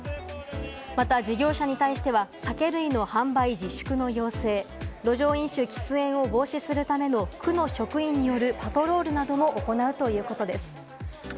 また事業者に対しては酒類の販売自粛の要請、路上飲酒・喫煙を防止するための区の職員によるパトロールなども行うということです。